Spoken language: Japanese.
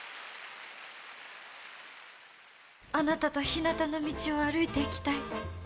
あなたとひなたの道を歩いていきたい。